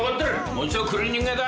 もう一度クリーニング屋だ！